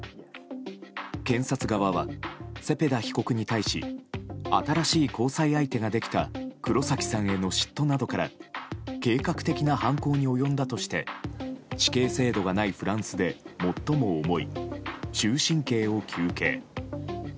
検察側はセペダ被告に対し新しい交際相手ができた黒崎さんへの嫉妬などから計画的な犯行に及んだとして死刑制度がないフランスで最も重い終身刑を求刑。